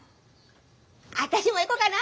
私も行こかな。